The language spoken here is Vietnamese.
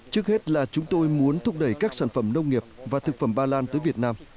trước hết là chúng tôi muốn thúc đẩy các sản phẩm nông nghiệp và thực phẩm ba lan tới việt nam